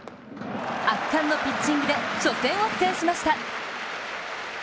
圧巻のピッチングで初戦を制しました。